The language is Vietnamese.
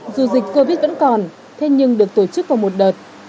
dù dịch covid vẫn còn thế nhưng được tổ chức vào một đợt